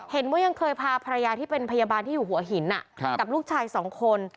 ยังเคยพาภรรยาที่เป็นพยาบาลที่อยู่หัวหินกับลูกชายสองคน